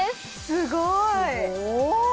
すごい！